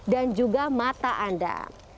dan juga mata anda